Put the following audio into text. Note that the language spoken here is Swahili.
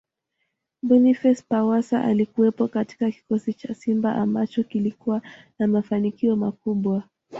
Boniface Pawasa Alikuwepo katika kikosi cha Simba ambacho kilikuwa na mafanikio makubwa